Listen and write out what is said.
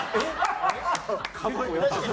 えっ？